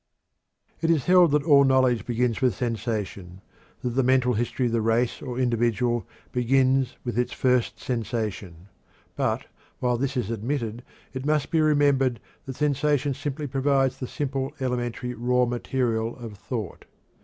It is held that all knowledge begins with sensation; that the mental history of the race or individual begins with its first sensation. But, while this is admitted, it must be remembered that sensation simply provides the simple, elementary, raw material of thought.